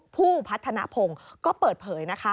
ผู้พัฒนภงก็เปิดเผยนะคะ